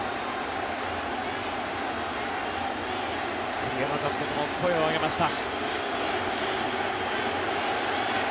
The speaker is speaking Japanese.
栗山監督も声を上げました。